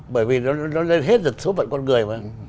bởi vì nó lên hết được số phận con người mà